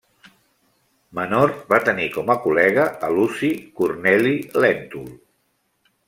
Menor va tenir com a col·lega a Luci Corneli Lèntul.